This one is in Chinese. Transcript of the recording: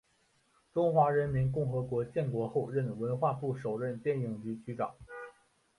中华人民共和国建国后任文化部首任电影局局长。